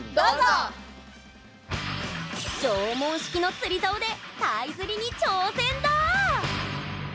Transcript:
縄文式の釣り竿でタイ釣りに挑戦だ！